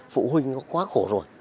phụ huynh nó quá khổ rồi